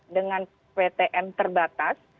dengan ptm terbatas